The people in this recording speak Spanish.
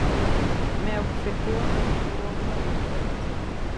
Me abofeteó y me tiró unas bebidas encima".